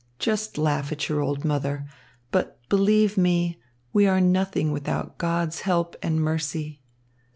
Just laugh at your old mother. But believe me, we are nothing without God's help and mercy.